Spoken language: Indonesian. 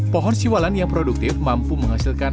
pohon siwalan yang produktif mampu menghasilkan